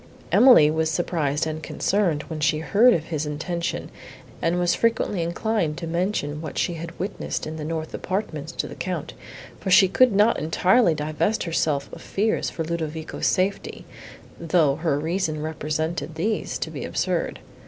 Emily was surprised and concerned, when she heard of his intention, and was frequently inclined to mention what she had witnessed in the north apartments to the Count, for she could not entirely divest herself of fears for Ludovico's safety, though her reason represented these to be absurd.